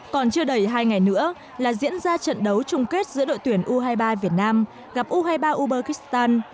còn chưa đầy hai ngày nữa là diễn ra trận đấu chung kết giữa đội tuyển u hai mươi ba việt nam gặp u hai mươi ba ubergyzstan